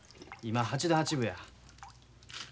今８度８分や。